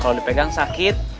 kalau dipegang sakit